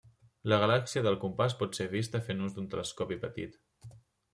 La galàxia del compàs pot ser vista fent ús d'un telescopi petit.